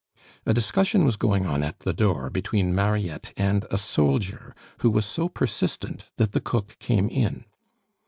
A discussion was going on at the door between Mariette and a soldier, who was so persistent that the cook came in.